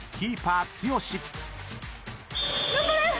頑張れ！